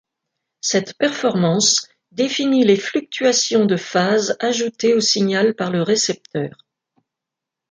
Cette performance définit les fluctuations de phase ajoutées au signal par le récepteur.